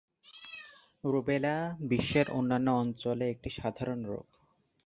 Rubella বিশ্বের অনেক অঞ্চলে একটি সাধারণ রোগ।